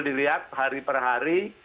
dilihat hari per hari